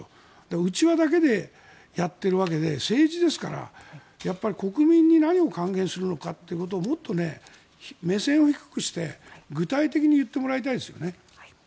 内輪だけでやってるだけで政治ですから、やっぱり国民に何を還元するのかということをもっと目線を低くして具体的に言ってもらいたいですよね。